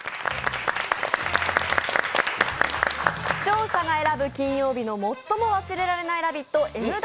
視聴者が選ぶ金曜日の最も忘れられない「ラヴィット！」